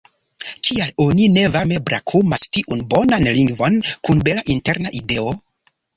Kial oni ne varme brakumas tiun bonan lingvon kun bela interna ideo?